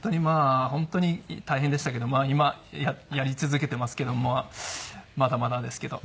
本当に大変でしたけど今やり続けていますけどもまだまだですけど。